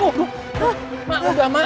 tuh tuh tuh tuh udah mak